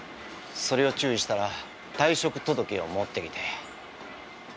それを注意したら退職届を持ってきて。